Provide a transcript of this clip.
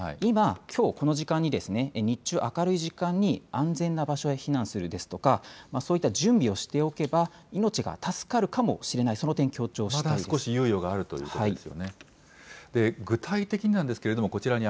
今、きょうこの時間に日中、明るい時間に安全な場所へ避難するですとかそういった準備をしておけば命が助かるかもしれない、その点を強調したいです。